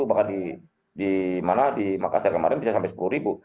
bahkan di makassar kemarin bisa sampai sepuluh ribu